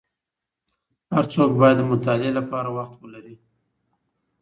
هر څوک باید د مطالعې لپاره وخت ولري.